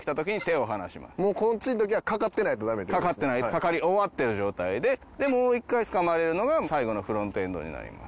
掛かり終わってる状態ででもう一回つかまれるのが最後のフロントエンドになります。